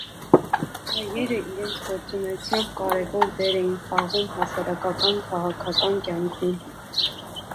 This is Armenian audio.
Հայերը իրենց գործունեությամբ կարևոր դեր էին խաղում հասարակական քաղաքական կյանքում։